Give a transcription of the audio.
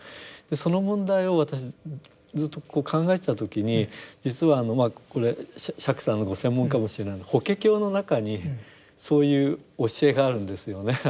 その問題を私ずっとこう考えてた時に実はあのこれ釈さんのご専門かもしれない「法華経」の中にそういう教えがあるんですよね。